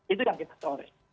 itu yang kita coret